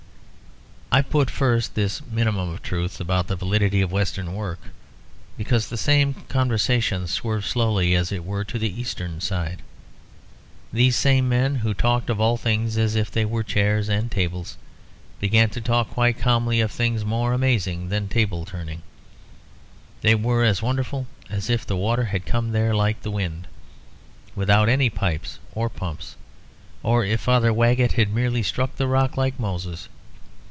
I put first this minimum of truth about the validity of Western work because the same conversation swerved slowly, as it were, to the Eastern side. These same men, who talked of all things as if they were chairs and tables, began to talk quite calmly of things more amazing than table turning. They were as wonderful as if the water had come there like the wind, without any pipes or pumps; or if Father Waggett had merely struck the rock like Moses.